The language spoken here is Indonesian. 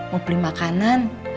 mau beli makanan